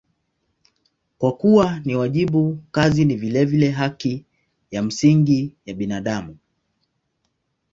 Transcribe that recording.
Kwa kuwa ni wajibu, kazi ni vilevile haki ya msingi ya binadamu.